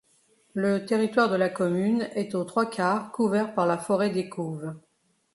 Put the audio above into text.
Le territoire de la commune est au trois quarts couvert par la forêt d'Écouves.